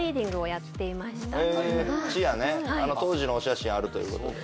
チアね当時のお写真あるということで。